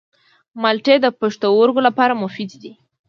مالټې د پښتورګو لپاره مفیدې دي.